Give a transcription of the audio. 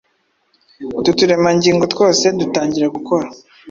Utu turemangingo twose dutangira gukora